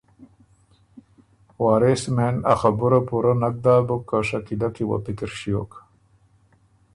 وارث مېن ا خبُره نک پُورۀ داک بُک که شکیله کی وه پِکِر ݭیوک